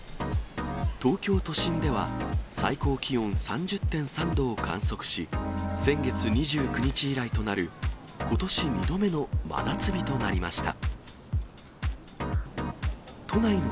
東京都心では、最高気温３０．３度を観測し、先月２９日以来となる、ことし２度目の真夏日となりました。